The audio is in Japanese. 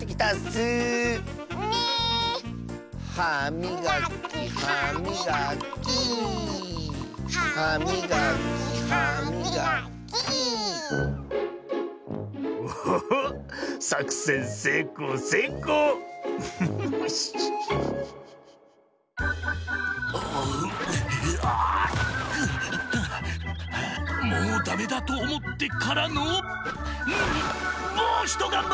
はあもうダメだとおもってからのもうひとがんばり！